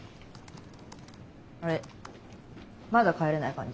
あれまだ帰れない感じ？